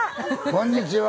こんにちは！